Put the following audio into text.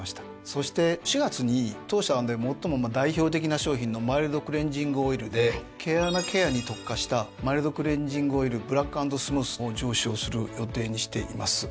そして４月に当社で最も代表的な商品の「マイルドクレンジングオイル」で毛穴ケアに特化した「マイルドクレンジングオイルブラック＆スムース」を上市をする予定にしています。